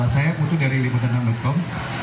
saya putu dari liputanan com